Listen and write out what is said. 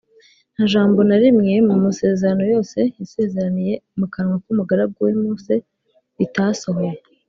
Nta jambo na rimwe mu masezerano yose yasezeraniye mu kanwa k’umugaragu we Mose, ritasohoye